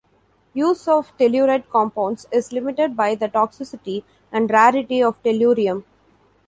Use of telluride compounds is limited by the toxicity and rarity of tellurium.